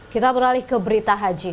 kita beralih ke berita haji